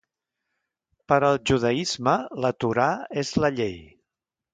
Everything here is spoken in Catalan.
Per al judaisme, la Torà és la Llei.